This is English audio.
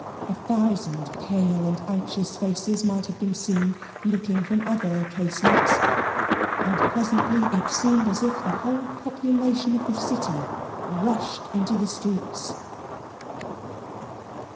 A thousand pale and anxious faces might have been seen looking from other casements. And presently it seemed as if the whole population of the city rushed into the streets.